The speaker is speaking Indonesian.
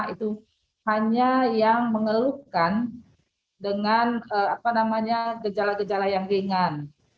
itu hanya yang mengeluhkan dengan gejala gejala yang ringan